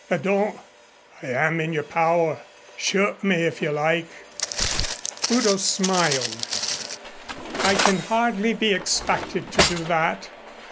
"I don't. I am in your power. Shoot me if you like." Udo smiled. "I can hardly be expected to do that.